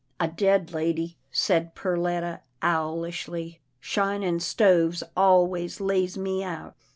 " A dead lady," said Perletta owlishly, " shinin' stoves always lays me out."